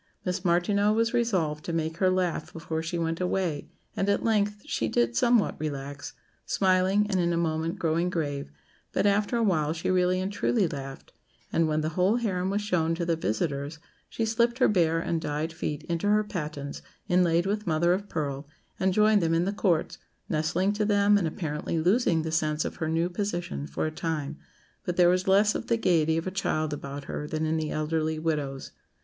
Miss Martineau was resolved to make her laugh before she went away, and at length she did somewhat relax smiling, and in a moment growing grave; but after a while she really and truly laughed, and when the whole harem was shown to the visitors, she slipped her bare and dyed feet into her pattens, inlaid with mother of pearl, and joined them in the courts, nestling to them, and apparently losing the sense of her new position for a time; but there was less of the gaiety of a child about her than in the elderly widows.